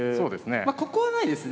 まここはないですね？